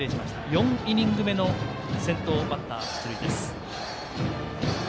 ４イニング目の先頭バッター出塁です。